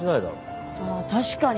ああ確かに。